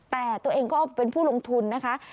แต่ตัวเองก็เป็นผู้ลงทุนนะคะ